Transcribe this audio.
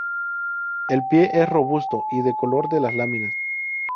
El pie es robusto y del color de las láminas.